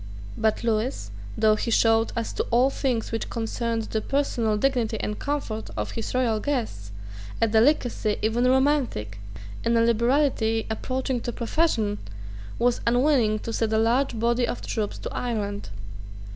But Lewis, though he showed, as to all things which concerned the personal dignity and comfort of his royal guests, a delicacy even romantic, and a liberality approaching to profusion, was unwilling to send a large body of troops to Ireland.